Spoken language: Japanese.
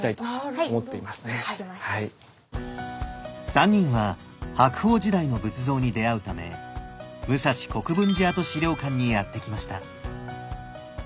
３人は白鳳時代の仏像に出会うため武蔵国分寺跡資料館にやって来ました。